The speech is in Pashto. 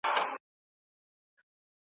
« به می پرستي ازان نقش خود بر آب زدم